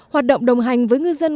hoạt động đồng hành với ngư dân